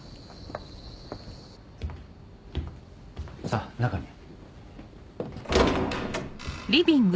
さぁ中に。